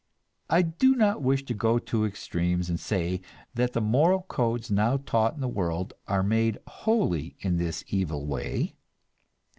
I do not wish to go to extremes and say that the moral codes now taught in the world are made wholly in this evil way.